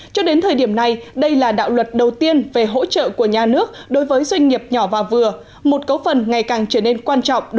cho đến thời điểm này đây là đạo luật đầu tiên về hỗ trợ doanh nghiệp nhỏ và vừa